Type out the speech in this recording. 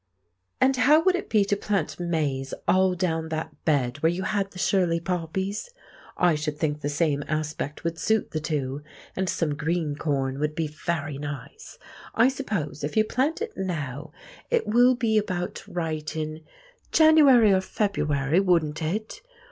"And how would it be to plant maize all down that bed where you had the Shirley poppies? I should think the same aspect would suit the two, and some green corn would be very nice. I suppose, if you plant it now, it will be about right in January or February, wouldn't it?